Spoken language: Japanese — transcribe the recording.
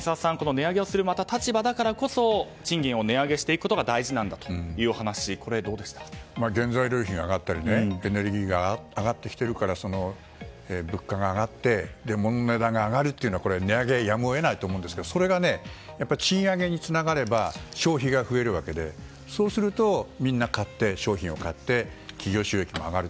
値上げをする立場だからこそ賃金を値上げしていくことが大事なんだという話原材料費が上がったりエネルギーが上がってきているから物価が上がってものの値段が上がるというのは値上げはやむを得ないと思うんですがそれが賃上げにつながれば消費が増えるわけでそうすると、みんな商品を買って企業収益も上がる。